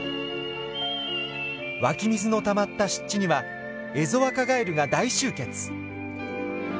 湧き水のたまった湿地にはエゾアカガエルが大集結。